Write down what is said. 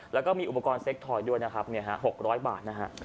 แล้วก็มีอุปกรณ์เซ็กต์ถอยด้วยนะครับเนี่ยฮะหกร้อยบาทนะฮะ